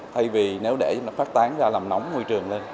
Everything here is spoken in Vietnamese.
thay vì nếu để nó phát tán ra làm nóng môi trường lên